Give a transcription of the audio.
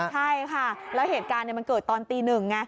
ใช่ค่ะแล้วเหตุการณ์มันเกิดตอนตีหนึ่งไง